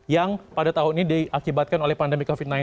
yang pada tahun ini diakibatkan oleh pandemi covid sembilan belas